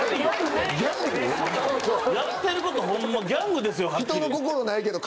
やってることホンマギャングですよ！